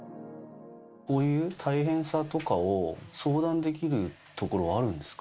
こういう大変さとかを相談できるところはあるんですか。